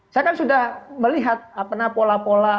saya kan sudah melihat pola pola